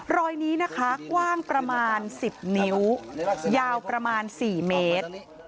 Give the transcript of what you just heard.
รอยนี้นะคะกว้างประมาณ๑๐นิ้วยาวประมาณ๔เมตร